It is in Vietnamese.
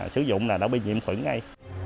sử dụng là đã bị nhiễm khuẩn ngay